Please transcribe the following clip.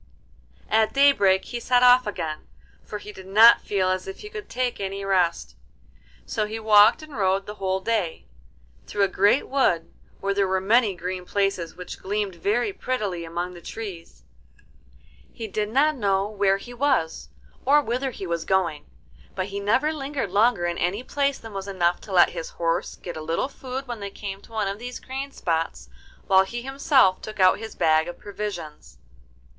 At daybreak he set off again, for he did not feel as if he could take any rest. So he walked and rode the whole day, through a great wood where there were many green places which gleamed very prettily among the trees. He did not know where he was or whither he was going, but he never lingered longer in any place than was enough to let his horse get a little food when they came to one of these green spots, while he himself took out his bag of provisions.